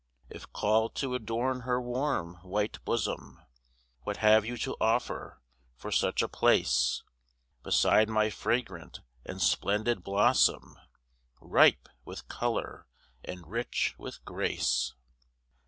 "If called to adorn her warm, white bosom, What have you to offer for such a place, Beside my fragrant and splendid blossom, Ripe with colour and rich with grace?"